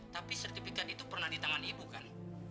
tapi sertifikat itu pernah di tangan ibu kan